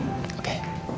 gue harus hubungin matteo